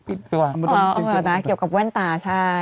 เอาเลยเหรอครับเกี่ยวกับแว่นตาใช่